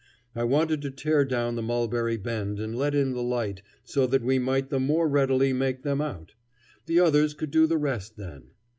I wanted to tear down the Mulberry Bend and let in the light so that we might the more readily make them out; the others could do the rest then.